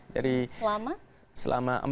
jadi selama selama